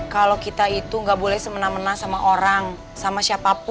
kalau kita itu nggak boleh semena mena sama orang sama siapapun